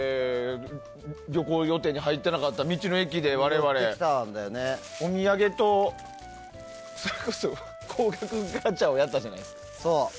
旅行予定に入ってなかった道の駅で我々、お土産と高額ガチャをやったじゃないですか。